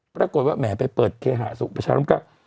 ปรากฏว่าแหมไปเปิดเคหสุประชาลมเก้า